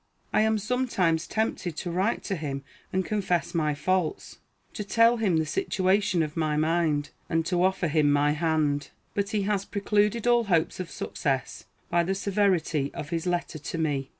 I am sometimes tempted to write to him and confess my faults; to tell him the situation of my mind, and to offer him my hand; but he has precluded all hopes of success by the severity of his letter to me.